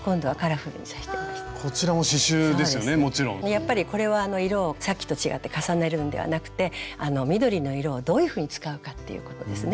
やっぱりこれは色をさっきと違って重ねるんではなくて緑の色をどういうふうに使うかっていうことですね。